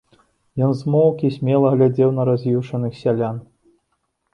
Ён змоўк і смела глядзеў на раз'юшаных сялян.